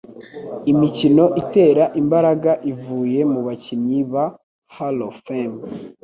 Imikino itera imbaraga ivuye mu bakinnyi ba Hall of Fame